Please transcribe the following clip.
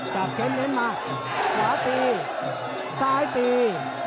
ขวาตีซายตี